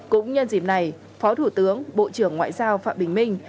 cũng nhân dịp này phó thủ tướng bộ trưởng ngoại giao phạm bình minh